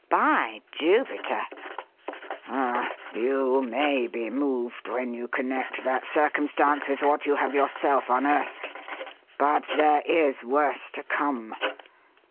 "By Jupiter!" "Ah, you may be moved when you connect that circumstance with what you have yourself unearthed. But there is worse to come.